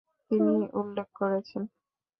তিনি উল্লেখ করেছেন।